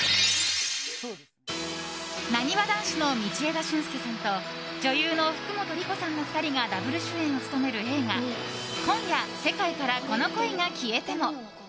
なにわ男子の道枝駿佑さんと女優の福本莉子さんの２人がダブル主演を務める映画「今夜、世界からこの恋が消えても」。